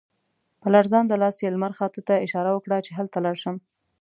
په لړزانده لاس یې لمر خاته ته اشاره وکړه چې هلته لاړ شم.